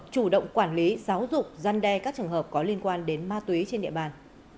chủ động quản lý giáo dục gian đe các trường hợp có liên quan đến ma túy trên địa bàn